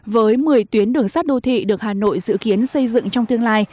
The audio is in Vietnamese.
với một mươi tuyến đường sắt đô thị được hà nội dự kiến xây dựng trong tương lai